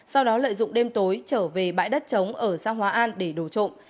sau đó lợi dụng đêm tối trở về bãi đất trống ở xã hóa an để đổ trộm